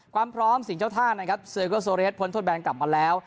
ความพร้อมสิ่งเจ้าท่านะครับเซโกโซเรสพ้นทดแบนกลับมาแล้ว